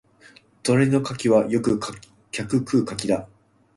隣の柿はよく客食う柿だ